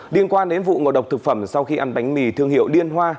liên quan đến vụ ngộ độc thực phẩm sau khi ăn bánh mì thương hiệu liên hoa